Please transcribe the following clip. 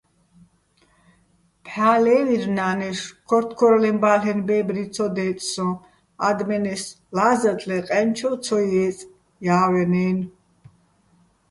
ბჵა́ ლე́ვირ ნა́ნეშო̆: ქორთქორლეჼბა́ლენო̆ ბე́ბრი ცო დე́წსოჼ, ა́დმენეს ლა́ზათ ლე ყაჲნჩოვ ცო ჲეწე̆ ჲა́ვანაჲნო̆.